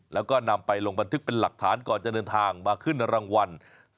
แล้วก็นำไปลงบันทึกเป็นหลักฐานก่อนจะเดินทางมาขึ้นรางวัล